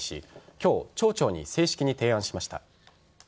今日、町長に正式に提案しました。